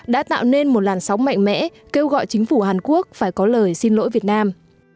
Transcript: đã tạo nên một làn sóng mạnh mẽ kêu gọi chính phủ hàn quốc phải có lời xin lỗi việt nam